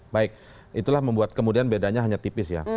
baik itulah membuat kemudian bedanya hanya tipis ya